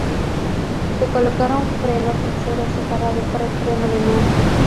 Se colocaron frenos traseros separados para el freno de mano.